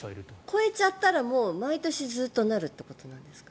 超えちゃったら毎年ずっとなるってことなんですか？